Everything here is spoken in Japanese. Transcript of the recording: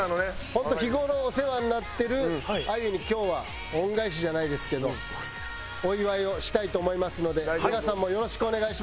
本当日頃お世話になってるあゆに今日は恩返しじゃないですけどお祝いをしたいと思いますので皆さんもよろしくお願いします。